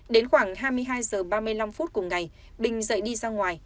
đến khoảng hai mươi hai h ba mươi năm phút cùng ngày bình dậy đi ra ngoài